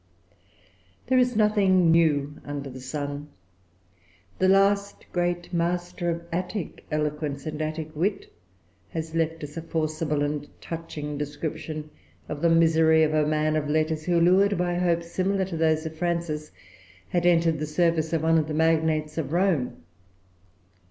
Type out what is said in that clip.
There is nothing new under the sun. The last great master of Attic eloquence and Attic wit has left us a forcible and touching description of the misery of a man of letters, who, lured by hopes similar to those of Frances, had entered the service of one of the magnates of Rome.